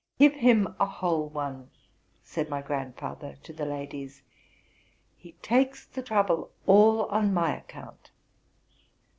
'*Give him a whole one,'' said my grandfather to the ladies: '' he takes the trouble all on my account.